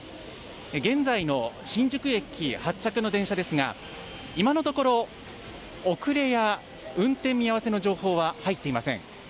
現在の新宿駅発着の電車ですが、今のところ、遅れや運転見合わせの情報は入っていません。